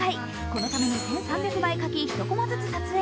このために１３００枚描き１コマずつ撮影。